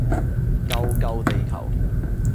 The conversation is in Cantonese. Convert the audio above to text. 救救地球